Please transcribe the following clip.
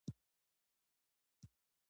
د پوښتنو فهرست جوړول